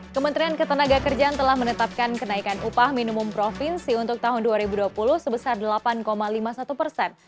kementerian ketenaga kerjaan telah menetapkan kenaikan upah minimum provinsi untuk tahun dua ribu dua puluh sebesar delapan lima puluh satu persen